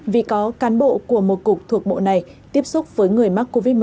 vì có cán bộ của một cục thuộc bộ này tiếp xúc với người mắc covid một mươi chín